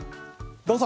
どうぞ！